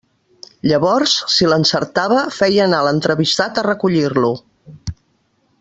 Llavors, si l'encertava, feia anar l'entrevistat a recollir-lo.